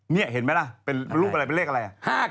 นี่เห็นไหมล่ะเป็นรูปอะไรเป็นเลขอะไร